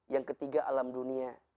yang ketiga alam dunia